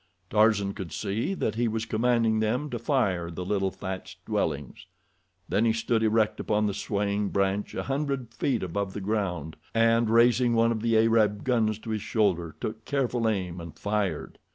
Tarzan could see that he was commanding them to fire the little thatched dwellings. Then he stood erect upon the swaying branch a hundred feet above the ground, and, raising one of the Arab guns to his shoulder, took careful aim and fired.